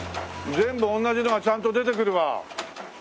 全部同じのがちゃんと出てくるわ！